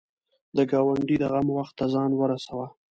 د ګاونډي د غم وخت ته ځان ورسوه